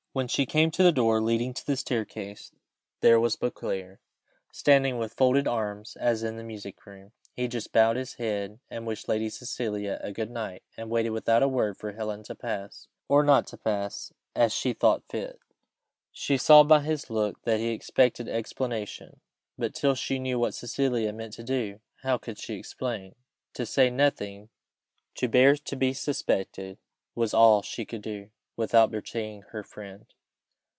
When she came to the door leading to the staircase, there was Beauclerc, standing with folded arms, as in the music room; he just bowed his head, and wished Lady Cecilia a good night, and waited, without a word, for Helen to pass, or not to pass, as she thought fit. She saw by his look that he expected explanation; but till she knew what Cecilia meant to do, how could she explain? To say nothing to bear to be suspected, was all she could do, without betraying her friend.